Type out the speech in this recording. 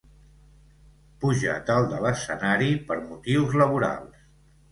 Pujat dalt de l'escenari per motius laborals.